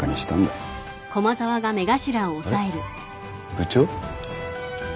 部長？